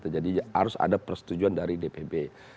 jadi harus ada persetujuan dari dpp